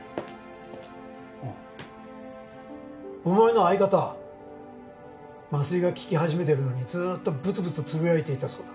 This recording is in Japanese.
あっお前の相方麻酔が効き始めてるのにずっとブツブツつぶやいていたそうだ。